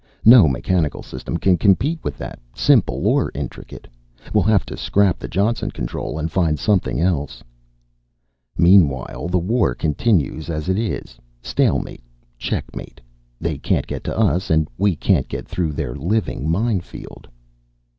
No mechanical system can compete with that, simple or intricate. We'll have to scrap the Johnson Control and find something else." "Meanwhile the war continues as it is. Stalemate. Checkmate. They can't get to us, and we can't get through their living minefield."